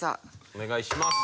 お願いします。